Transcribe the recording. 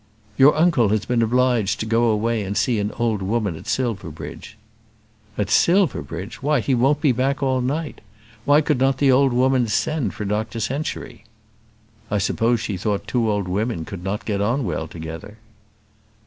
"Your uncle has been obliged to go away to see an old woman at Silverbridge." "At Silverbridge! why, he won't be back all night. Why could not the old woman send for Dr Century?" "I suppose she thought two old women could not get on well together."